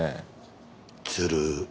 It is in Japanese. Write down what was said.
鶴